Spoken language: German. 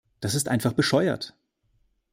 Das ist einfach bescheuert!